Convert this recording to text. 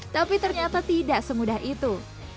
tapi ternyata tidak semudah itu